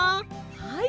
はい。